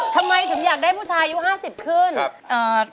ทำไมถึงอยากได้ผู้ชายอายุ๕๐ขึ้นขับเอ่อ